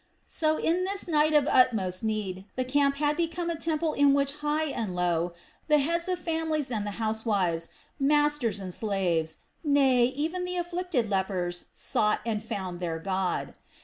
So, in this night of utmost need, the camp had become a temple in which high and low, the heads of families and the housewives, masters and slaves, nay, even the afflicted lepers sought and found their God.